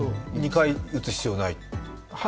２回、打つ必要はない？